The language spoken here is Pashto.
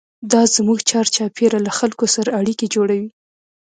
دا زموږ چارچاپېره له خلکو سره اړیکې جوړوي.